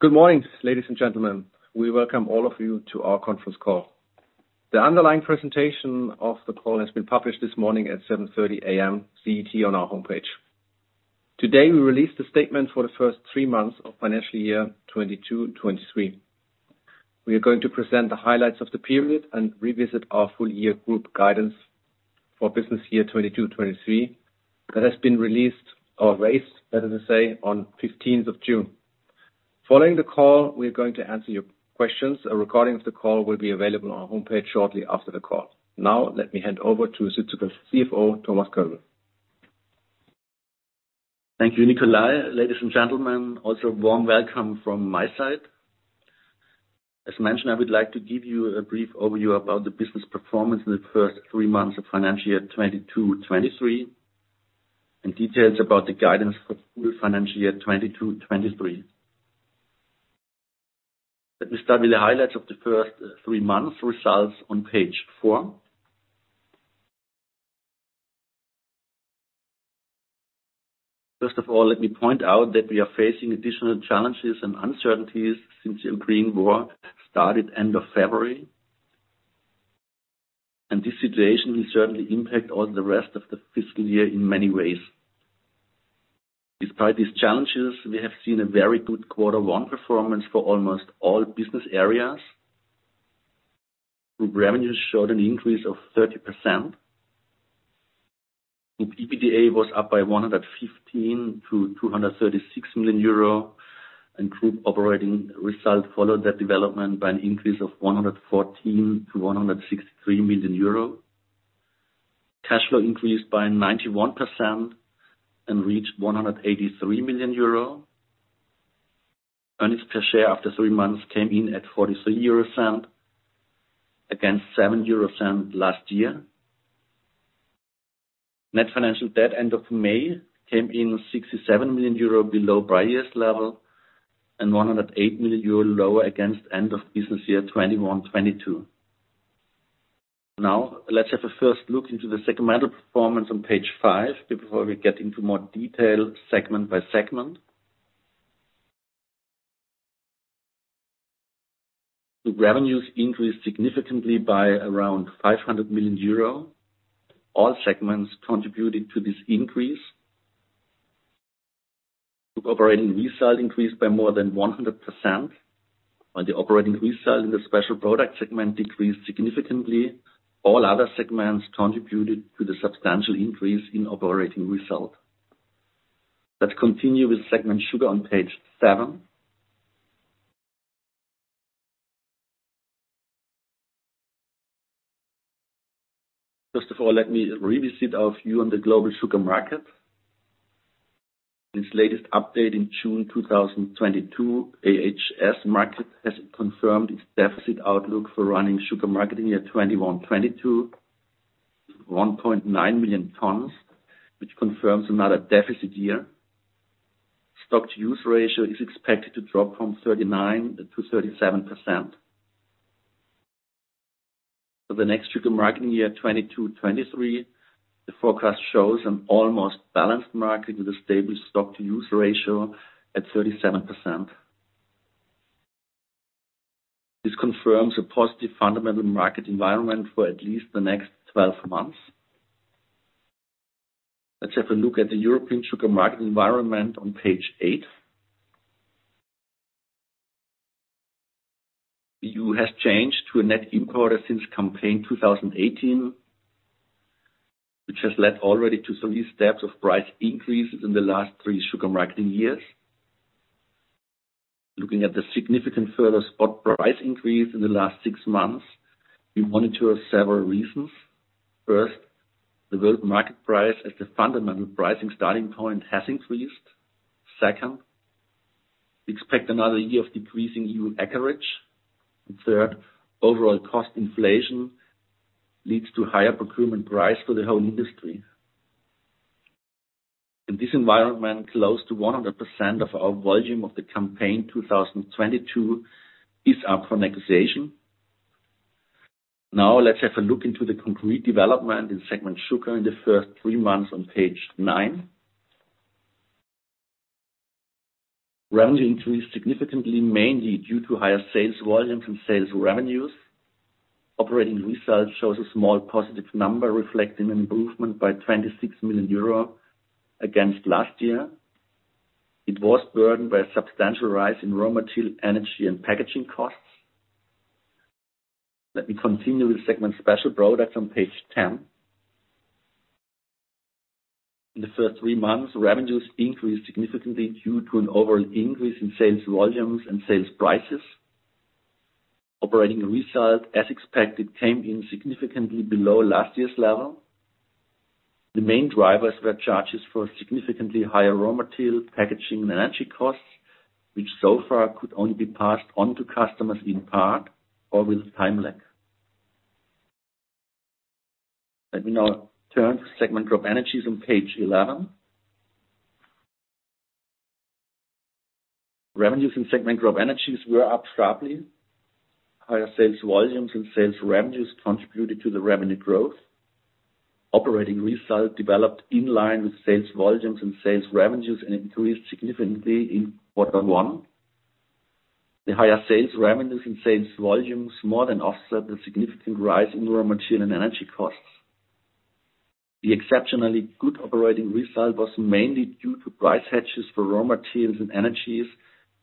Good morning, ladies and gentlemen. We welcome all of you to our conference call. The underlying presentation of the call has been published this morning at 7:30 A.M. CT on our homepage. Today, we release the statement for the first three months of financial year 2022/2023. We are going to present the highlights of the period and revisit our full year group guidance for business year 2022/2023 that has been released or raised, better to say, on 15th of June. Following the call, we are going to answer your questions. A recording of the call will be available on our homepage shortly after the call. Now, let me hand over to Südzucker CFO, Thomas Kölbl. Thank you, Nikolai. Ladies and gentlemen, also warm welcome from my side. As mentioned, I would like to give you a brief overview about the business performance in the first three months of financial year 2022/2023, and details about the guidance for full financial year 2022/2023. Let me start with the highlights of the first three months results on page four. First of all, let me point out that we are facing additional challenges and uncertainties since the Ukraine war started at the end of February. This situation will certainly impact on the rest of the fiscal year in many ways. Despite these challenges, we have seen a very good quarter one performance for almost all business areas. Group revenues showed an increase of 30%. Group EBITDA was up by 115 million-236 million euro, and group operating result followed that development by an increase of 114 million-163 million euro. Cash flow increased by 91% and reached 183 million euro. Earnings per share after three months came in at 0.43, against 0.07 last year. Net financial debt end of May came in 67 million euro below prior year's level, and 108 million euro lower against end of business year 2021/2022. Now, let's have a first look into the segmental performance on page five before we get into more detail segment by segment. Revenues increased significantly by around 500 million euro. All segments contributed to this increase. Group operating result increased by more than 100%, while the operating result in the Special Products segment decreased significantly. All other segments contributed to the substantial increase in operating result. Let's continue with segment Sugar on page seven. First of all, let me revisit our view on the global sugar market. This latest update in June 2022, ISO has confirmed its deficit outlook for running sugar marketing year 2021/2022, 1.9 million tons, which confirms another deficit year. Stock-to-use ratio is expected to drop from 39%-37%. For the next sugar marketing year, 2022/2023, the forecast shows an almost balanced market with a stable stock-to-use ratio at 37%. This confirms a positive fundamental market environment for at least the next 12 months. Let's have a look at the European sugar market environment on page eight. EU has changed to a net importer since campaign 2018, which has led already to some steps of price increases in the last three sugar marketing years. Looking at the significant further spot price increase in the last six months, we monitor several reasons. First, the world market price as the fundamental pricing starting point has increased. Second, we expect another year of decreasing EU acreage. Third, overall cost inflation leads to higher procurement price for the whole industry. In this environment, close to 100% of our volume of the campaign 2022 is up for negotiation. Now, let's have a look into the complete development in segment Sugar in the first three months on page nine. Revenue increased significantly, mainly due to higher sales volume from sales revenues. Operating results shows a small positive number, reflecting an improvement by 26 million euro against last year. It was burdened by a substantial rise in raw material, energy, and packaging costs. Let me continue with segment Special Products on page 10. In the first three months, revenues increased significantly due to an overall increase in sales volumes and sales prices. Operating result, as expected, came in significantly below last year's level. The main drivers were charges for significantly higher raw material, packaging, and energy costs, which so far could only be passed on to customers in part or with time lag. Let me now turn to segment CropEnergies on page 11. Revenues in segment CropEnergies were up sharply. Higher sales volumes and sales revenues contributed to the revenue growth. Operating result developed in line with sales volumes and sales revenues, and increased significantly in quarter one. The higher sales revenues and sales volumes more than offset the significant rise in raw material and energy costs. The exceptionally good operating result was mainly due to price hedges for raw materials and energies,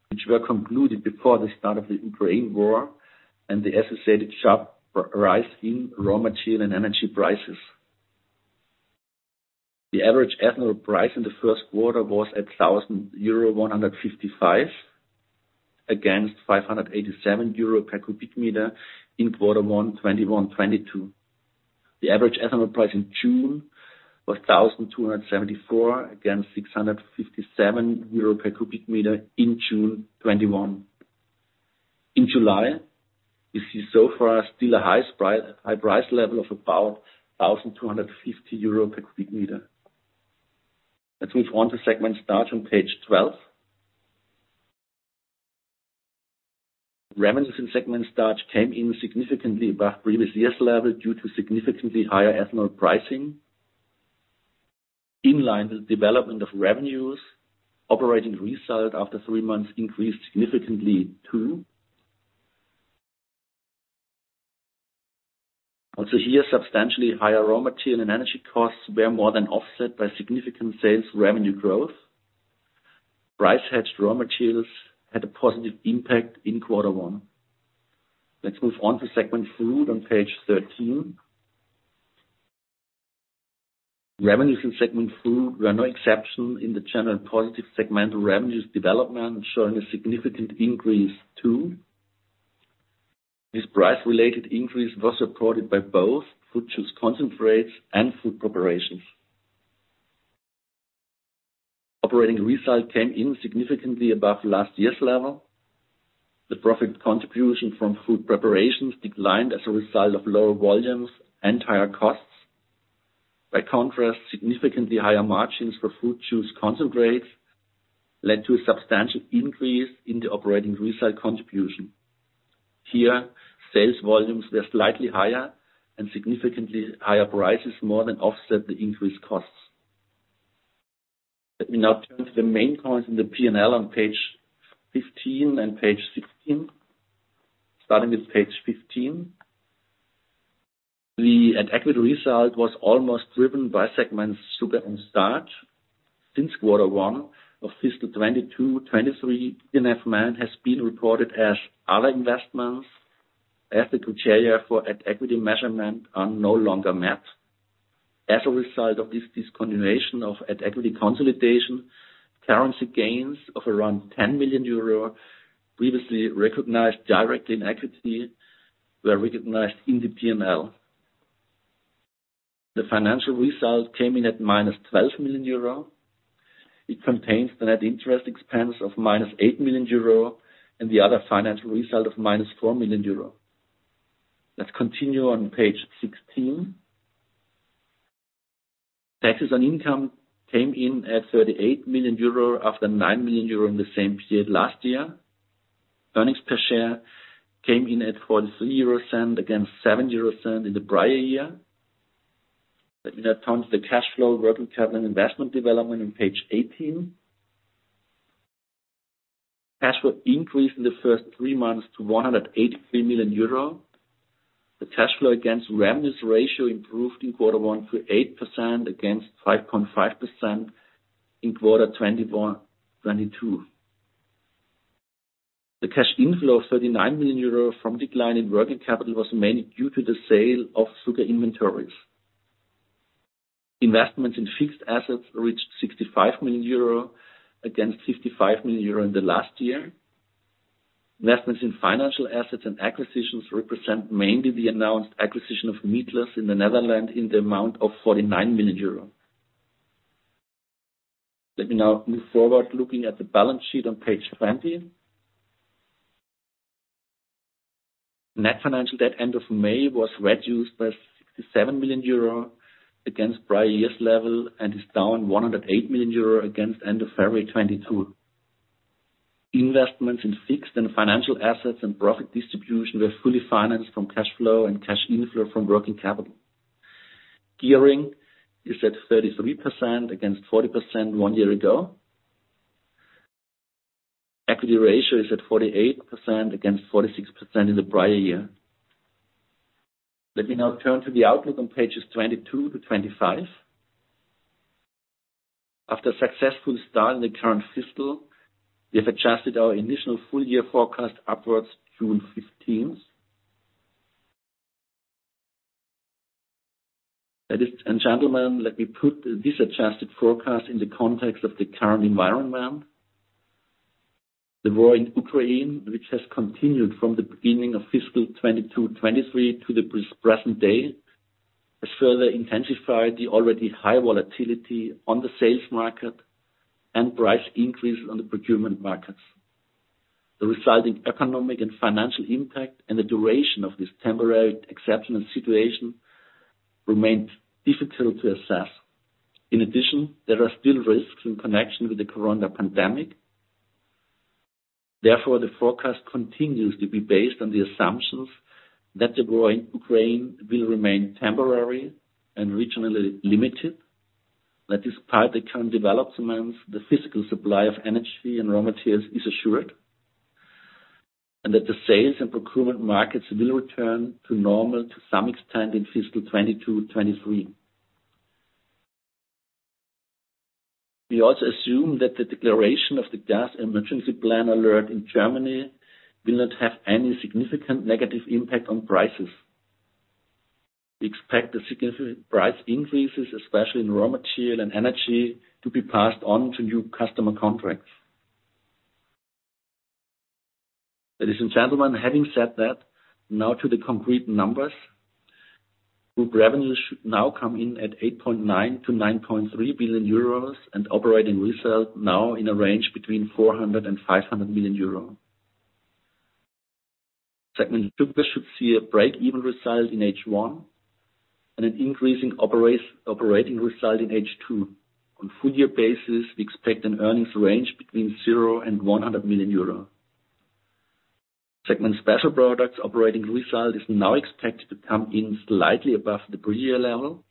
which were concluded before the start of the Ukraine war and the associated sharp rise in raw material and energy prices. The average ethanol price in the first quarter was at 1,155 euro, against 587 euro per cubic meter in quarter one, 2021, 2022. The average ethanol price in June was 1,274, against 657 euro per cubic meter in June 2021. In July, we see so far still a high price level of about 1,250 euro per cubic meter. Let's move on to segment Starch on page 12. Revenues in segment Starch came in significantly above previous year's level due to significantly higher ethanol pricing. In line with development of revenues, operating result after three months increased significantly too. Also here, substantially higher raw material and energy costs were more than offset by significant sales revenue growth. Price-hedged raw materials had a positive impact in quarter one. Let's move on to segment Fruit on page 13. Revenues in segment Fruit were no exception in the general positive segmental revenues development, showing a significant increase too. This price-related increase was supported by both fruit juice concentrates and food preparations. Operating result came in significantly above last year's level. The profit contribution from food preparations declined as a result of lower volumes and higher costs. By contrast, significantly higher margins for fruit juice concentrates led to a substantial increase in the operating result contribution. Here, sales volumes were slightly higher and significantly higher prices more than offset the increased costs. Let me now turn to the main points in the P&L on page 15 and page 16, starting with page 15. The at-equity result was mainly driven by segments Sugar and Starch. Since quarter one of fiscal 2022/2023, ED&F Man has been reported as other investments as the criteria for at-equity measurement are no longer met. As a result of this discontinuation of at-equity consolidation, currency gains of around 10 million euro previously recognized directly in equity were recognized in the P&L. The financial result came in at -12 million euro. It contains the net interest expense of -8 million euro and the other financial result of -4 million euro. Let's continue on page 16. Taxes on income came in at 38 million euro, after 9 million euro in the same period last year. Earnings per share came in at 0.43 against 0.07 in the prior year. Let me now turn to the cash flow, working capital, and investment development on page 18. Cash flow increased in the first three months to 183 million euro. The cash flow against revenues ratio improved in quarter 1%-8% against 5.5% in quarter one 2021/2022. The cash inflow of 39 million euro from decline in working capital was mainly due to the sale of sugar inventories. Investments in fixed assets reached 65 million euro against 55 million euro in the last year. Investments in financial assets and acquisitions represent mainly the announced acquisition of Meatless in the Netherlands in the amount of 49 million euros. Let me now move forward looking at the balance sheet on page 20. Net financial debt end of May was reduced by 67 million euro against prior year's level and is down 108 million euro against end of February 2022. Investments in fixed and financial assets and profit distribution were fully financed from cash flow and cash inflow from working capital. Gearing is at 33% against 40% one year ago. Equity ratio is at 48% against 46% in the prior year. Let me now turn to the outlook on pages 22-25. After a successful start in the current fiscal, we have adjusted our initial full year forecast upwards June 15. Ladies and gentlemen, let me put this adjusted forecast in the context of the current environment. The war in Ukraine, which has continued from the beginning of fiscal 2022/2023 to the present day, has further intensified the already high volatility on the sales market and price increases on the procurement markets. The resulting economic and financial impact and the duration of this temporary exceptional situation remains difficult to assess. In addition, there are still risks in connection with the corona pandemic. Therefore, the forecast continues to be based on the assumptions that the war in Ukraine will remain temporary and regionally limited. That despite the current developments, the physical supply of energy and raw materials is assured, and that the sales and procurement markets will return to normal to some extent in fiscal 2022/2023. We also assume that the declaration of the gas emergency plan alert in Germany will not have any significant negative impact on prices. We expect the significant price increases, especially in raw material and energy, to be passed on to new customer contracts. Ladies and gentlemen, having said that, now to the concrete numbers. Group revenues should now come in at 8.9 billion-9.3 billion euros and operating results now in a range between 400 million euros and 500 million euros. Segment Sugar should see a break-even result in H1 and an increasing operating result in H2. On full-year basis, we expect an earnings range between 0 and 100 million euro. Segment Special Products operating result is now expected to come in slightly above the previous level.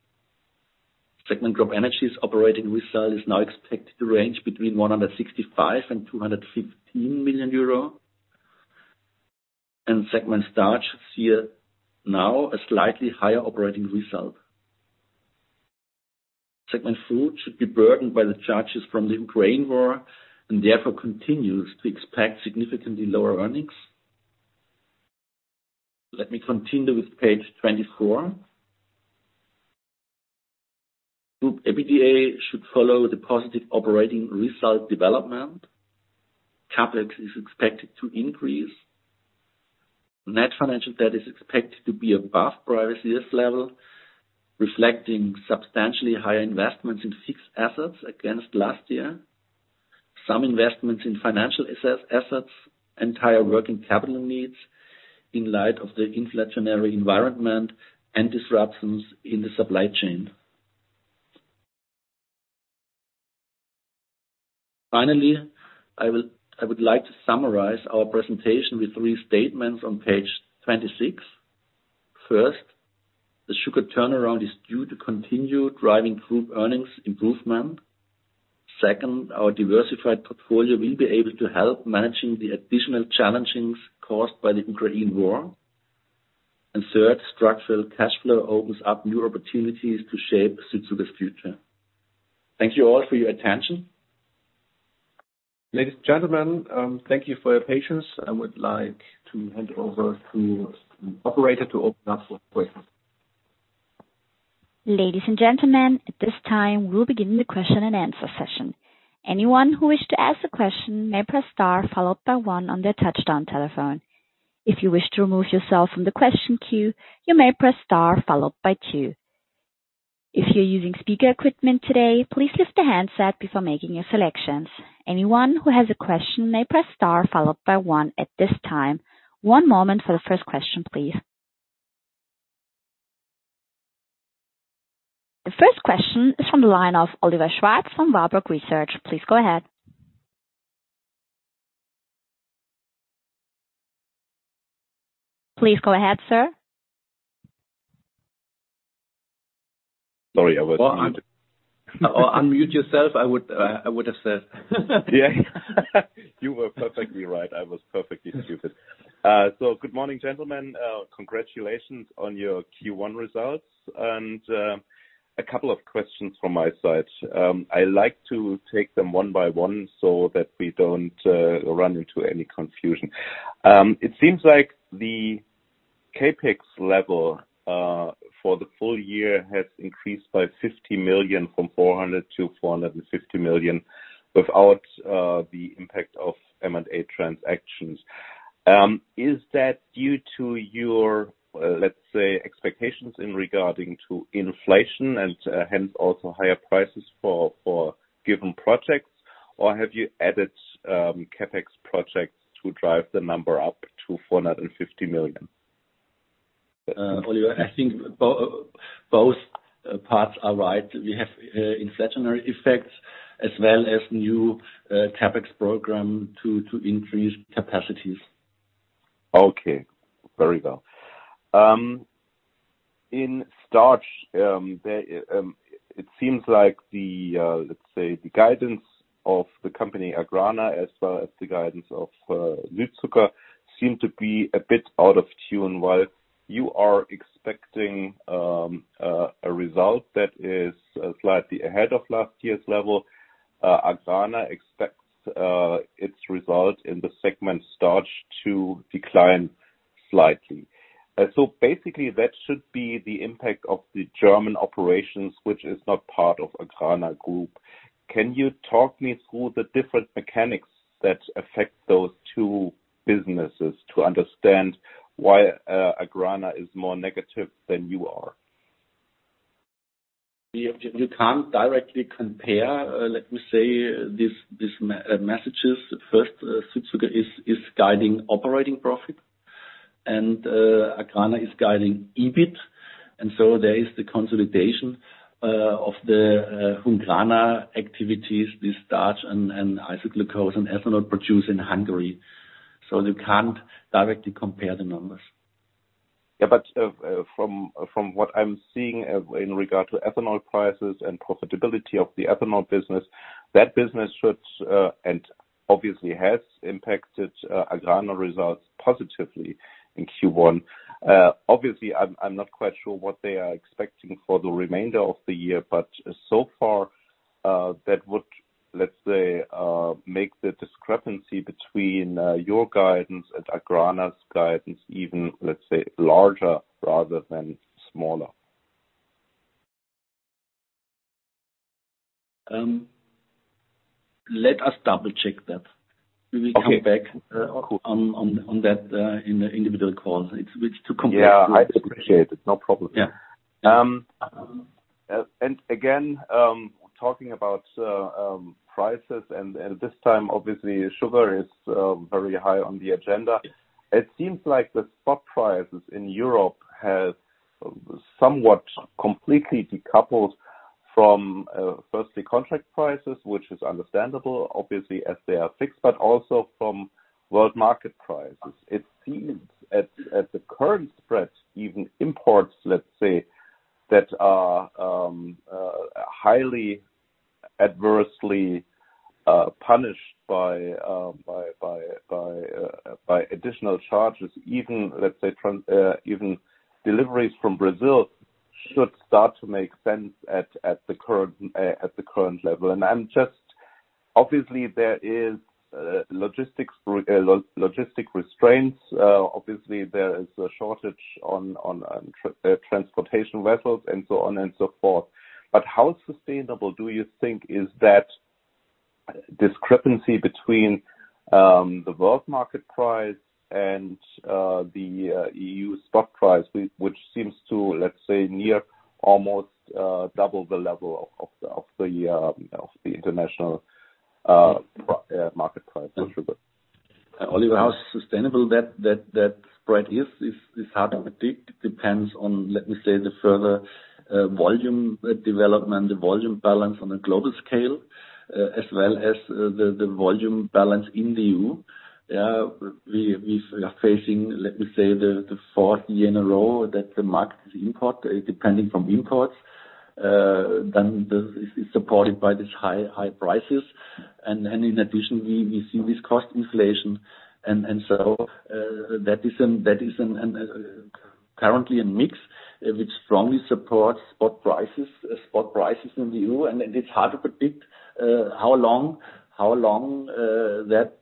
Segment CropEnergies' operating result is now expected to range between 165 million and 215 million euro. Segment Starch we see now a slightly higher operating result. Segment Fruit should be burdened by the charges from the Ukraine war and therefore continues to expect significantly lower earnings. Let me continue with page 24. Group EBITDA should follow the positive operating result development. CapEx is expected to increase. Net financial debt is expected to be above prior CS level, reflecting substantially higher investments in fixed assets against last year. Some investments in financial assets and higher working capital needs in light of the inflationary environment and disruptions in the supply chain. I would like to summarize our presentation with three statements on page 26. First, the sugar turnaround continues to drive group earnings improvement. Second, our diversified portfolio will be able to help managing the additional challenges caused by the Ukraine war. Third, structural cash flow opens up new opportunities to shape Südzucker's future. Thank you all for your attention. Ladies and gentlemen, thank you for your patience. I would like to hand over to the operator to open up for questions. Ladies and gentlemen, at this time, we'll begin the question and answer session. Anyone who wishes to ask a question may press star followed by one on their touch-tone telephone. If you wish to remove yourself from the question queue, you may press star followed by two. If you're using speaker equipment today, please lift the handset before making your selections. Anyone who has a question may press star followed by one at this time. One moment for the first question, please. The first question is from the line of Oliver Schwarz from Warburg Research. Please go ahead. Please go ahead, sir. Sorry, I was muted. Unmute yourself, I would have said. Yeah. You were perfectly right. I was perfectly stupid. Good morning, gentlemen. Congratulations on your Q1 results. A couple of questions from my side. I like to take them one by one so that we don't run into any confusion. It seems like the CapEx level for the full year has increased by 50 million, from 400 million-450 million without the impact of M&A transactions. Is that due to your expectations regarding inflation and hence also higher prices for given projects? Or have you added CapEx projects to drive the number up to 450 million? Oliver, I think both parts are right. We have inflationary effects as well as new CapEx program to increase capacities. Okay. Very well. In Starch, it seems like the, let's say, the guidance of the company AGRANA, as well as the guidance of Südzucker, seem to be a bit out of tune. While you are expecting a result that is slightly ahead of last year's level, AGRANA expects its result in the Starch segment to decline slightly. Basically that should be the impact of the German operations, which is not part of AGRANA Group. Can you talk me through the different mechanics that affect those two businesses to understand why AGRANA is more negative than you are? You can't directly compare, let me say, these metrics. First, Südzucker is guiding operating profit. AGRANA is guiding EBIT, and so there is the consolidation of the Hungrana activities with starch and isoglucose and ethanol produced in Hungary. You can't directly compare the numbers. From what I'm seeing in regard to ethanol prices and profitability of the ethanol business, that business should and obviously has impacted AGRANA results positively in Q1. Obviously, I'm not quite sure what they are expecting for the remainder of the year. So far, that would, let's say, make the discrepancy between your guidance and AGRANA's guidance, even, let's say, larger rather than smaller. Let us double-check that. Okay. We will come back. Cool. on that in the individual call. It's to compare- Yeah. I appreciate it. No problem. Yeah. Again, talking about prices and this time, obviously, sugar is very high on the agenda. It seems like the spot prices in Europe have somewhat completely decoupled from firstly, contract prices, which is understandable, obviously, as they are fixed, but also from world market prices. It seems at the current spreads, even imports, let's say, that are highly adversely punished by additional charges, even, let's say, deliveries from Brazil should start to make sense at the current level. Obviously, there is logistics restraints. Obviously, there is a shortage on transportation vessels and so on and so forth. How sustainable do you think is that discrepancy between the world market price and the EU stock price, which seems to, let's say, nearly almost double the level of the international market price for sugar? Oliver, how sustainable that spread is hard to predict. It depends on, let me say, the further volume development, the volume balance on a global scale, as well as the volume balance in the EU. We are facing, let me say, the fourth year in a row that the market is import-dependent on imports, then it is supported by these high prices. In addition, we see this cost inflation. That is currently in the mix, which strongly supports spot prices in the EU. It's hard to predict how long that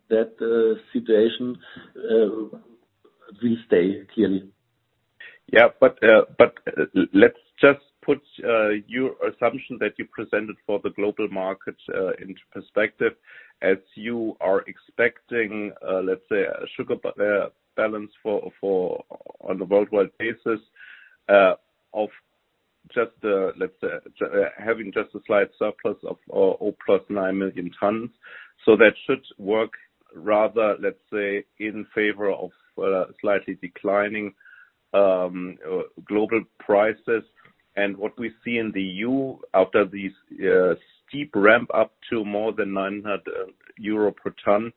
situation will stay, clearly. Let's just put your assumption that you presented for the global markets into perspective as you are expecting, let's say, sugar balance on a worldwide basis of just, let's say, having just a slight surplus of plus 9 million tons. That should work rather, let's say, in favor of slightly declining global prices. What we see in the EU after this steep ramp up to more than 900 euro per ton,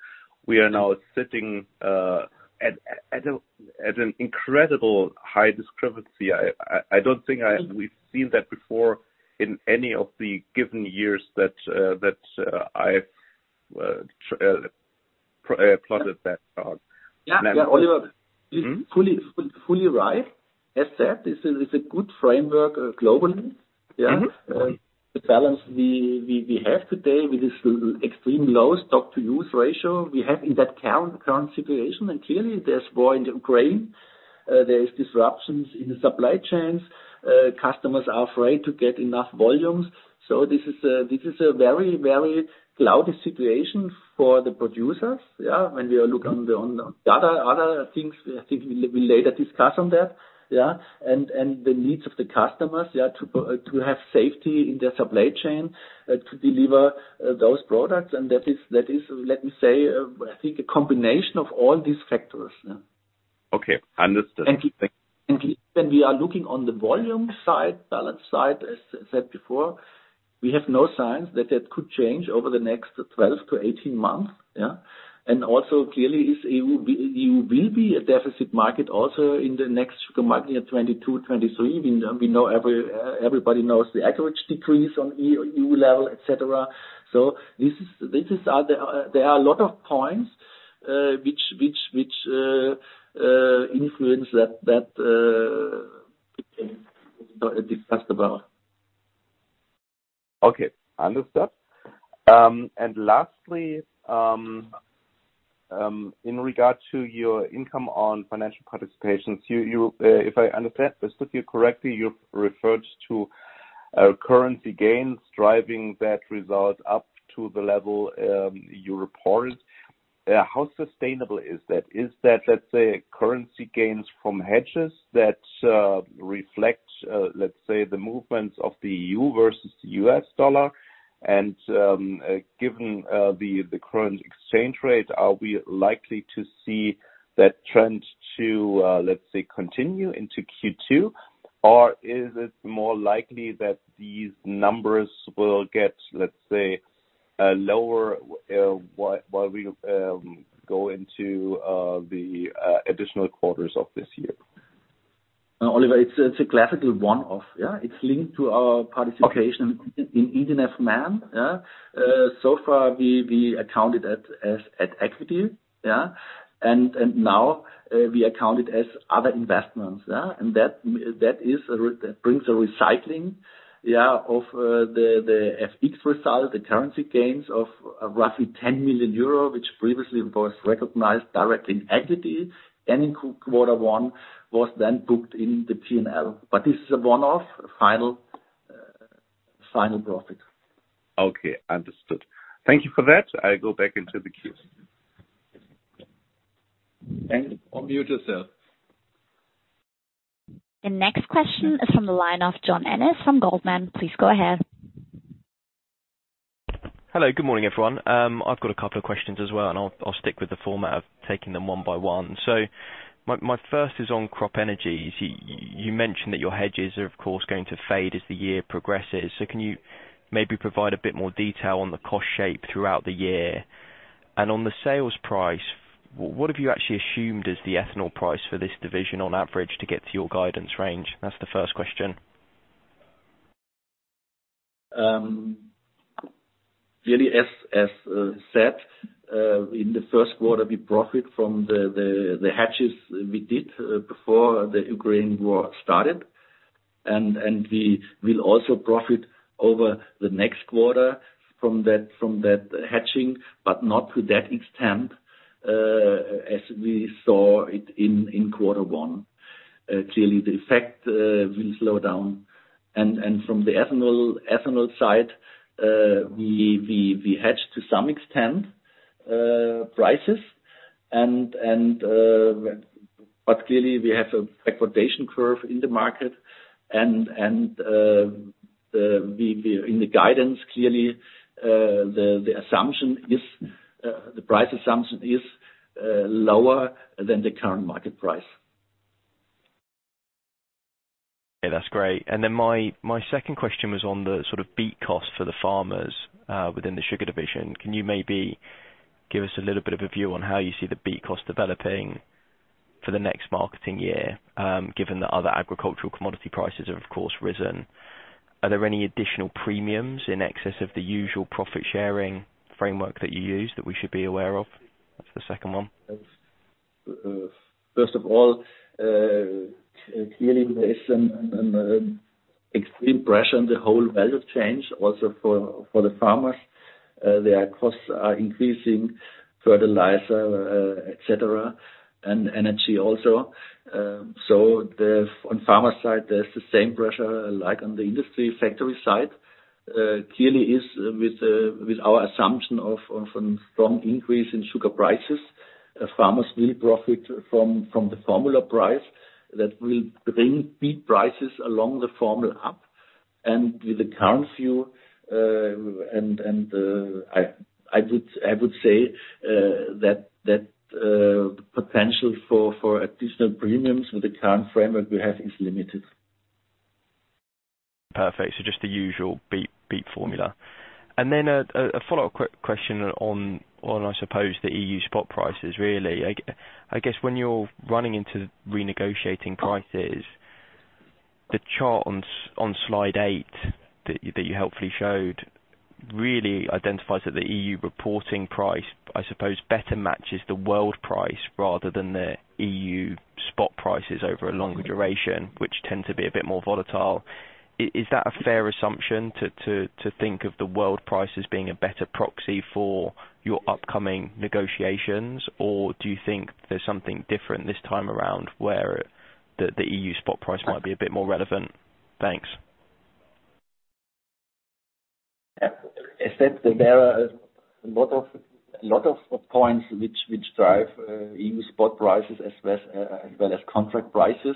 we are now sitting at an incredible high discrepancy. I don't think we've seen that before in any of the given years that I've plotted that out. Yeah. Yeah, Oliver. Mm-hmm. You're fully right. As said, this is a good framework, globally. Yeah. Mm-hmm. The balance we have today with this extremely low stock-to-use ratio, we have in that current situation. Clearly, there's war in Ukraine. There is disruptions in the supply chains. Customers are afraid to get enough volumes. This is a very cloudy situation for the producers, yeah, when we are looking on the other things we later discuss on that. Yeah. The needs of the customers, yeah, to have safety in their supply chain, to deliver those products. That is, let me say, I think a combination of all these factors. Yeah. Okay. Understood. Thank you. We are looking on the volume side, balance side, as I said before, we have no signs that could change over the next 12-18 months. Yeah. Clearly the EU will be a deficit market also in the next sugar market, yeah, 2022, 2023. We know everybody knows the acreage decrease on EU level, etc. There are a lot of points which influence that, you know, discussed about. Okay. Understood. Lastly, in regard to your income on financial participations, if I understand you correctly, you've referred to currency gains driving that result up to the level you report. How sustainable is that? Is that, let's say, currency gains from hedges that reflect, let's say, the movements of the euro versus U.S. dollar? Given the current exchange rate, are we likely to see that trend to, let's say, continue into Q2? Or is it more likely that these numbers will get, let's say, lower while we go into the additional quarters of this year? Oliver, it's a classical one-off, yeah. It's linked to our participation. Okay. in ED&F Man. So far we accounted it as at-equity. Now we account it as other investments. That brings a recycling of the FX result, the currency gains of roughly 10 million euro, which previously was recognized directly in equity, and in quarter one was then booked in the P&L. This is a one-off final profit. Okay. Understood. Thank you for that. I go back into the queue. Unmute yourself. The next question is from the line of Jon Ennis from Goldman. Please go ahead. Hello. Good morning, everyone. I've got a couple of questions as well, and I'll stick with the format of taking them one by one. My first is on CropEnergies. You mentioned that your hedges are of course going to fade as the year progresses. Can you maybe provide a bit more detail on the cost shape throughout the year? And on the sales price, what have you actually assumed as the ethanol price for this division on average to get to your guidance range? That's the first question. Really, as said in the first quarter, we profit from the hedges we did before the Ukraine war started and we will also profit over the next quarter from that hedging, but not to that extent as we saw it in quarter one. Clearly the effect will slow down. From the ethanol side, we hedge to some extent prices and we have a quotation curve in the market. In the guidance, clearly, the assumption is the price assumption is lower than the current market price. Okay, that's great. My second question was on the sort of beet cost for the farmers within the sugar division. Can you maybe give us a little bit of a view on how you see the beet cost developing for the next marketing year, given the other agricultural commodity prices have of course risen? Are there any additional premiums in excess of the usual profit-sharing framework that you use that we should be aware of? That's the second one. First of all, clearly there's an extreme pressure on the whole value chain also for the farmers. Their costs are increasing, fertilizer, et cetera, and energy also. On farmer side, there's the same pressure like on the industry factory side. Clearly, with our assumption of a strong increase in sugar prices, farmers will profit from the formula price that will bring beet prices along the formula up. With the current view, I would say that potential for additional premiums with the current framework we have is limited. Perfect. Just the usual beet formula. A follow-up question on, I suppose, the EU spot prices really. I guess when you're running into renegotiating prices, the chart on slide eight that you helpfully showed really identifies that the EU reporting price, I suppose better matches the world price rather than the EU spot prices over a longer duration, which tend to be a bit more volatile. Is that a fair assumption to think of the world price as being a better proxy for your upcoming negotiations? Or do you think there's something different this time around where the EU spot price might be a bit more relevant? Thanks. As said, there are a lot of points which drive EU spot prices as well as contract prices.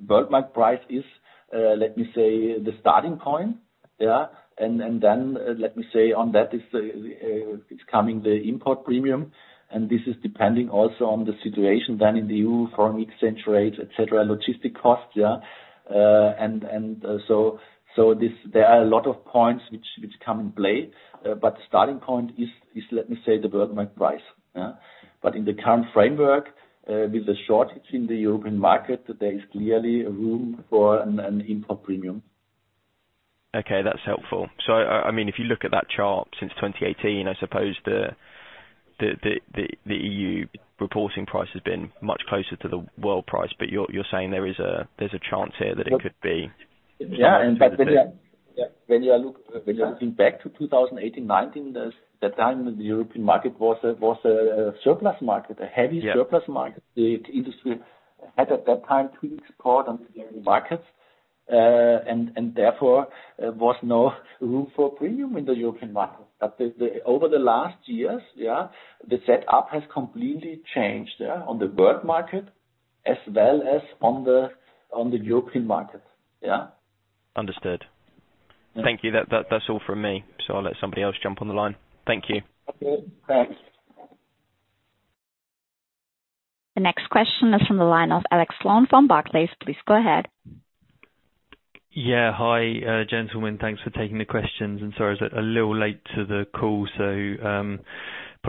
World market price is let me say the starting point. Then let me say on that is coming the import premium, and this is depending also on the situation then in the EU foreign exchange rate, etc., logistic cost. So this, there are a lot of points which come into play. But the starting point is let me say the world market price. But in the current framework, with the shortage in the European market, there is clearly room for an import premium. Okay, that's helpful. I mean, if you look at that chart since 2018, I suppose the EU reporting price has been much closer to the world price, but you're saying there's a chance here that it could be- When you are looking back to 2018, 2019, that time the European market was a surplus market, a heavy Yeah. surplus market. The industry had, at that time, weak support on the markets, and therefore there was no room for premium in the European market. Over the last years, yeah, the setup has completely changed, yeah, on the world market as well as on the European market. Yeah. Understood. Thank you. That's all from me, so I'll let somebody else jump on the line. Thank you. Okay, thanks. The next question is from the line of Alex Sloane from Barclays. Please go ahead. Yeah. Hi, gentlemen. Thanks for taking the questions, and sorry I was a little late to the call,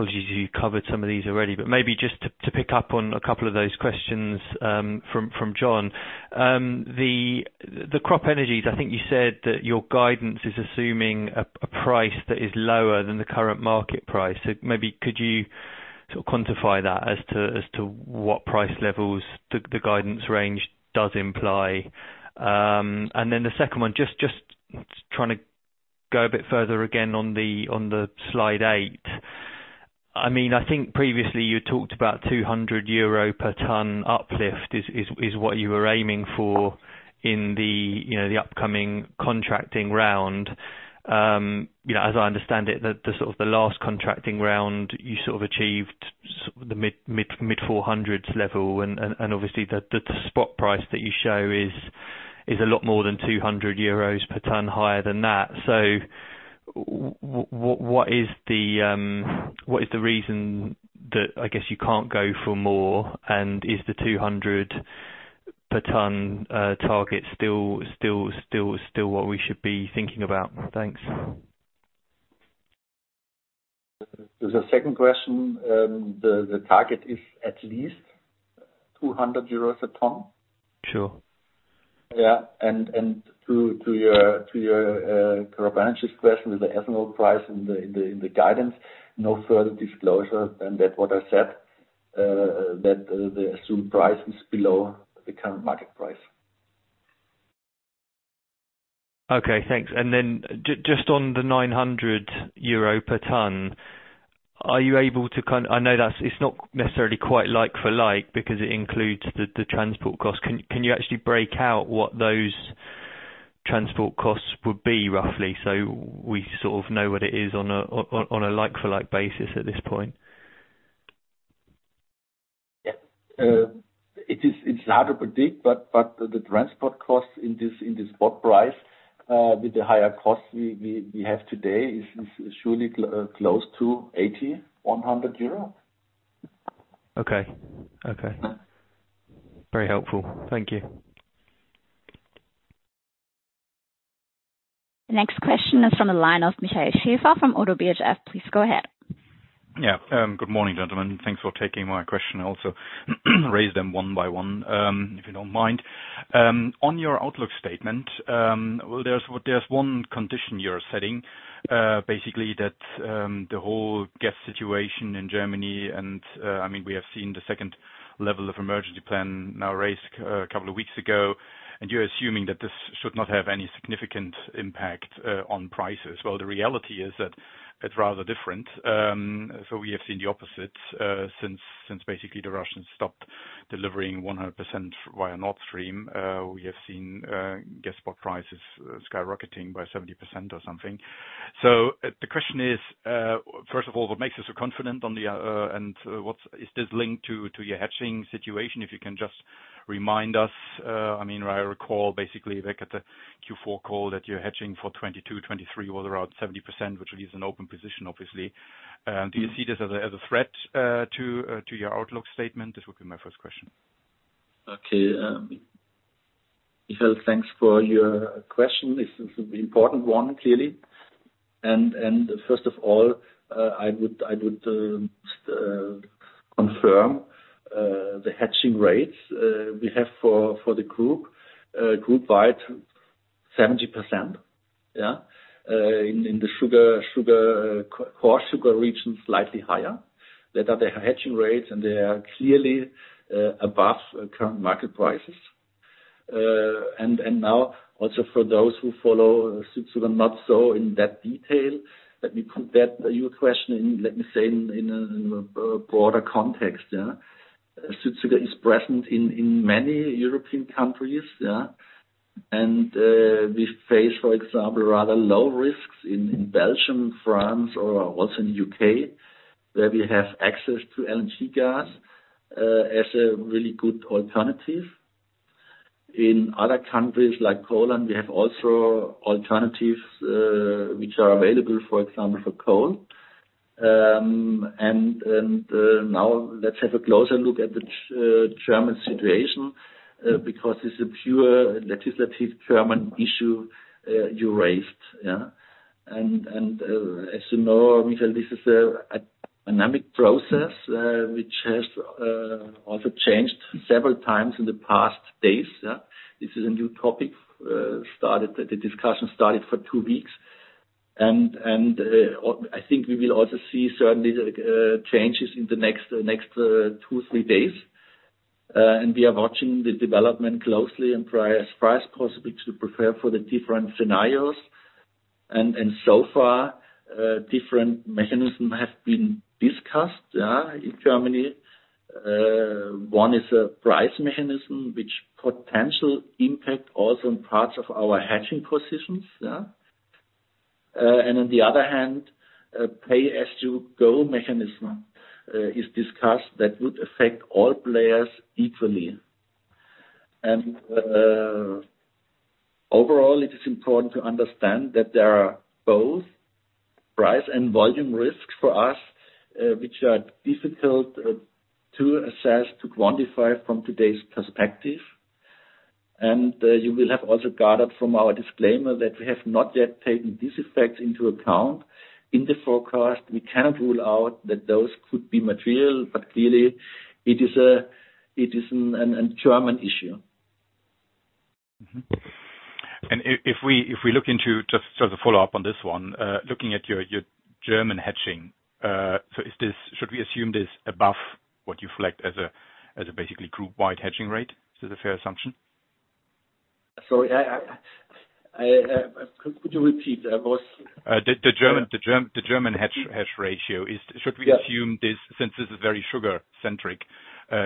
so apologies if you covered some of these already, but maybe just to pick up on a couple of those questions from Jon. The CropEnergies, I think you said that your guidance is assuming a price that is lower than the current market price. Maybe could you sort of quantify that as to what price levels the guidance range does imply? Then the second one, just trying to go a bit further again on the Slide eight. I mean, I think previously you talked about 200 euro per ton uplift is what you were aiming for in you know, the upcoming contracting round. You know, as I understand it, the sort of the last contracting round, you sort of achieved the mid 400s level and obviously the spot price that you show is a lot more than 200 euros per ton higher than that. What is the reason that I guess you can't go for more? Is the 200 EUR per ton target still what we should be thinking about? Thanks. The second question, the target is at least 200 euros a ton. Sure. Yeah. To your kind of balance this question with the ethanol price in the guidance, no further disclosure than that, what I said, that the assumed price is below the current market price. Okay, thanks. Just on the 900 euro per ton, are you able to? I know that's not necessarily quite like for like because it includes the transport cost. Can you actually break out what those transport costs would be roughly so we sort of know what it is on a like-for-like basis at this point? Yeah. It's hard to predict, but the transport costs in this spot price with the higher costs we have today is surely close to 80-100 euro. Okay. Very helpful. Thank you. The next question is from the line of Michael Schäfer from Oddo BHF. Please go ahead. Yeah. Good morning, gentlemen. Thanks for taking my question. I'll also raise them one by one, if you don't mind. On your outlook statement, well, there's one condition you're setting, basically that the whole gas situation in Germany, and I mean, we have seen the second level of emergency plan now raised a couple of weeks ago, and you're assuming that this should not have any significant impact on prices. Well, the reality is that it's rather different. We have seen the opposite, since basically the Russians stopped delivering 100% via Nord Stream. We have seen gas spot prices skyrocketing by 70% or something. The question is, first of all, what makes you so confident, and is this linked to your hedging situation? If you can just remind us. I mean, I recall basically back at the Q4 call that you're hedging for 2022, 2023 was around 70%, which leaves an open position, obviously. Do you see this as a threat to your outlook statement? This would be my first question. Okay. Michael, thanks for your question. This is an important one, clearly. First of all, I would confirm the hedging rates we have for the group wide 70%. Yeah. In the sugar core sugar region, slightly higher. Those are the hedging rates, and they are clearly above current market prices. Now also for those who follow Südzucker, not so in that detail, let me say in a broader context, yeah. Südzucker is present in many European countries, yeah. We face, for example, rather low risks in Belgium, France or also in the U.K., where we have access to LNG gas as a really good alternative. In other countries like Poland, we have also alternatives, which are available, for example, for coal. Now let's have a closer look at the German situation, because it's a pure legislative German issue you raised, yeah. As you know, Michael, this is a dynamic process which has also changed several times in the past days, yeah. This is a new topic, the discussion started for two weeks. I think we will also see certainly changes in the next two, three days. We are watching the development closely and prioritize possibly to prepare for the different scenarios. So far, different mechanisms have been discussed, yeah, in Germany. One is a price mechanism which has potential impact also in parts of our hedging positions, yeah. On the other hand, a pay-as-you-go mechanism is discussed that would affect all players equally. Overall, it is important to understand that there are both price and volume risks for us, which are difficult to assess, to quantify from today's perspective. You will have also gathered from our disclaimer that we have not yet taken these effects into account in the forecast. We cannot rule out that those could be material, but clearly it is a German issue. If we look into just sort of a follow-up on this one, looking at your German hedging, should we assume this above what you reflect as a basically group-wide hedging rate? Is this a fair assumption? Sorry, could you repeat? The German hedge ratio is Yeah. Should we assume this, since this is very sugar-centric,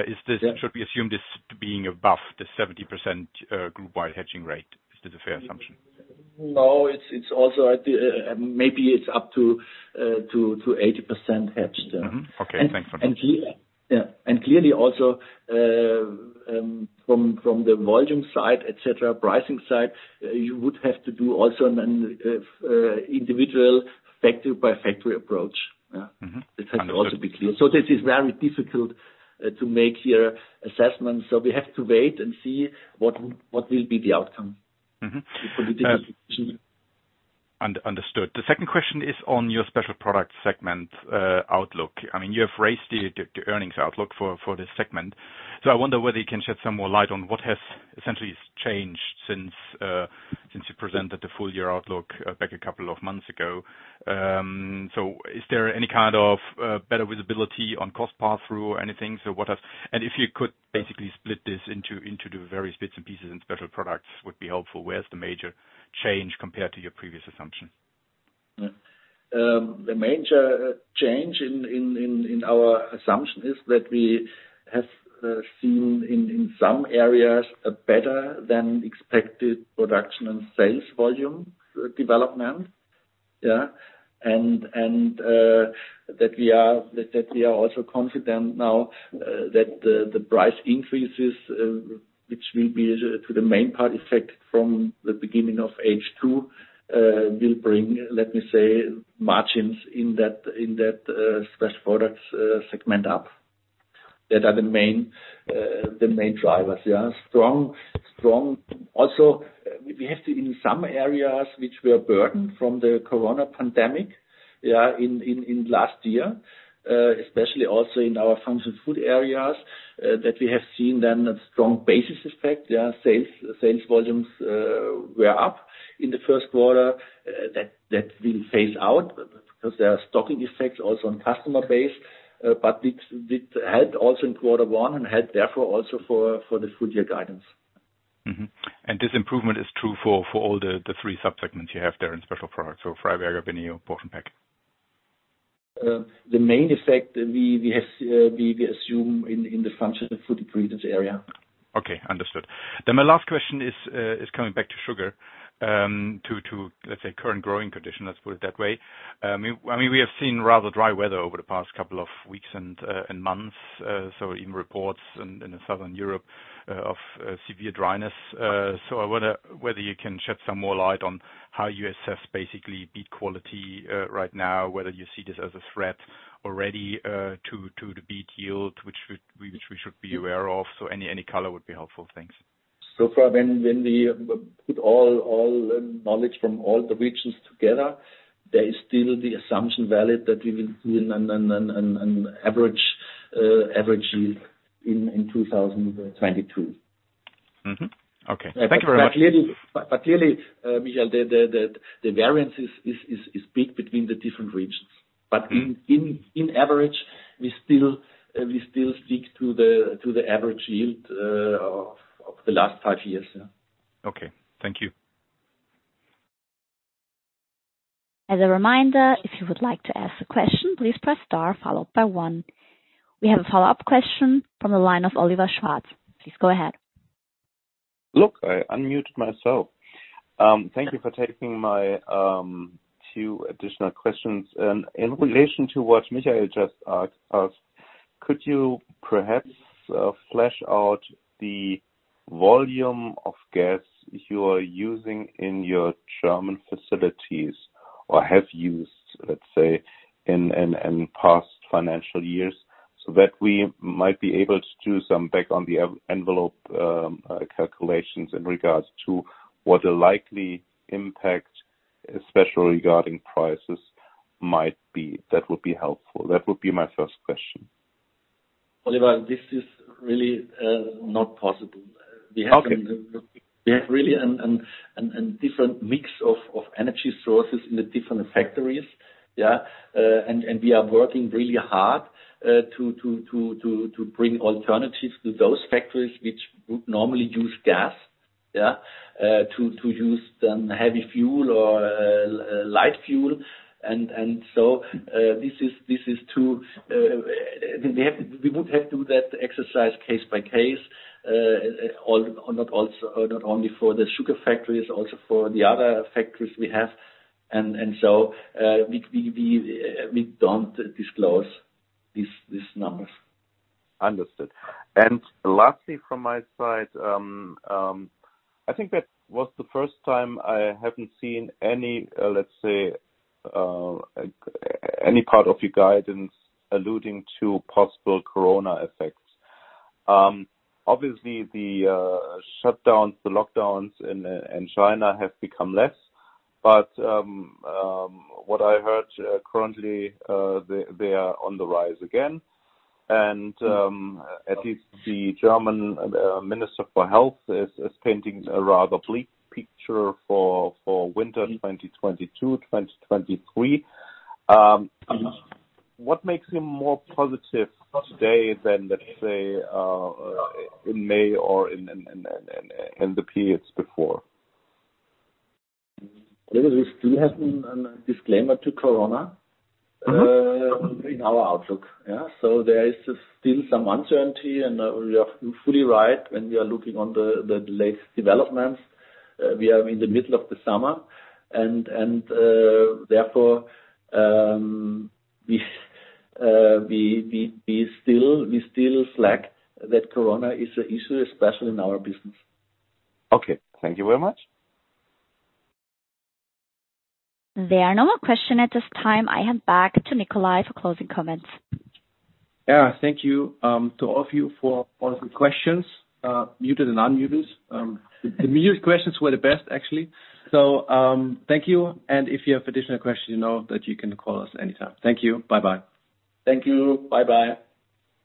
is this? Yeah. Should we assume this being above the 70% group-wide hedging rate? Is this a fair assumption? No, it's also at the, maybe it's up to 80% hedged. Mm-hmm. Okay, thanks for that. Yeah. Clearly also, from the volume side, et cetera, pricing side, you would have to do also an individual factory by factory approach, yeah? Mm-hmm. Understood. It has to also be clear. This is very difficult to make your assessments. We have to wait and see what will be the outcome. Mm-hmm. For the distribution. Understood. The second question is on your special product segment outlook. I mean, you have raised the earnings outlook for this segment. I wonder whether you can shed some more light on what has essentially changed since you presented the full year outlook back a couple of months ago. Is there any kind of better visibility on cost pass-through or anything? What are and if you could basically split this into the various bits and pieces and special products would be helpful. Where's the major change compared to your previous assumption? The major change in our assumption is that we have seen in some areas a better than expected production and sales volume development. That we are also confident now that the price increases, which will be to the main part effective from the beginning of H2, will bring, let me say, margins in that special products segment up, that are the main drivers. Strong also we have seen in some areas which were burdened from the Corona pandemic in last year, especially also in our functional food areas, that we have seen then a strong base effect. Sales volumes were up in the first quarter. That will phase out because there are stocking effects also on customer base, but it helped also in quarter one and helped therefore also for the full year guidance. Mm-hmm. This improvement is true for all the three subsegments you have there in special products. Freiberger, vinegar, BENEO, PortionPack. The main effect we have, we assume in the functional food ingredients area. Okay, understood. My last question is coming back to sugar, to let's say, current growing condition, let's put it that way. I mean, we have seen rather dry weather over the past couple of weeks and months, so in reports in southern Europe of severe dryness. I wonder whether you can shed some more light on how you assess basically beet quality right now, whether you see this as a threat already to the beet yield, which we should be aware of. Any color would be helpful. Thanks. So far when we put all knowledge from all the regions together, there is still the assumption valid that we will see an average yield in 2022. Okay. Thank you very much. Clearly, Michael, the variance is big between the different regions. On average, we still stick to the average yield of the last five years, yeah. Okay. Thank you. As a reminder, if you would like to ask a question, please press star followed by one. We have a follow-up question from the line of Oliver Schwarz. Please go ahead. Look, I unmuted myself. Thank you for taking my two additional questions. In relation to what Michael just asked, could you perhaps flesh out the volume of gas you are using in your German facilities or have used, let's say, in past financial years, so that we might be able to do some back-of-the-envelope calculations in regards to what the likely impact, especially regarding prices, might be? That would be helpful. That would be my first question. Oliver, this is really not possible. Okay. We have really a different mix of energy sources in the different factories. We are working really hard to bring alternatives to those factories which would normally use gas, to use heavy fuel or light fuel. We would have to do that exercise case by case, not only for the sugar factories, also for the other factories we have. We don't disclose these numbers. Understood. Lastly from my side, I think that was the first time I haven't seen any, let's say, any part of your guidance alluding to possible Corona effects. Obviously the shutdowns, the lockdowns in China have become less. What I heard currently, they are on the rise again and at least the German minister for health is painting a rather bleak picture for winter 2022-2023. What makes you more positive today than, let's say, in May or in the periods before? We have a disclaimer to Corona. Mm-hmm. In our outlook. Yeah. There is still some uncertainty, and you're fully right when you are looking at the latest developments. We are in the middle of the summer and therefore we still lack that Corona is an issue, especially in our business. Okay. Thank you very much. There are no more questions at this time. I hand back to Nikolai for closing comments. Yeah. Thank you to all of you for all the questions, muted and unmuted. The muted questions were the best, actually. Thank you. If you have additional questions, you know that you can call us anytime. Thank you. Bye-bye. Thank you. Bye-bye.